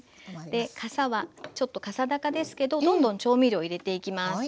かさはちょっとかさ高ですけどどんどん調味料入れていきます。